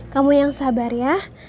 kamu yang sabar ya